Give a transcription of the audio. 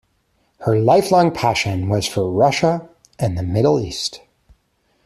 Her lifelong passion was for Russia and the Middle East.